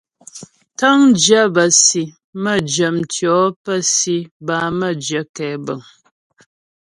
Tə̂ŋjyə bə́ si, mə́jyə mtʉɔ̌ pə́ si bâ mə́jyə kɛbəŋ.